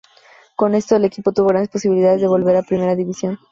Con esto, el equipo tuvo grandes posibilidades de volver a Primera División.